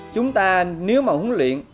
chúng ta nếu mà huấn luyện